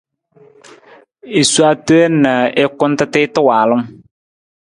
I sowa teen na i kunta tiita waalung.